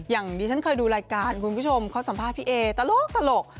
อย่างที่ฉันเคยดูรายการคุณผู้ชมเขาสัมภาษณ์พี่เอตลก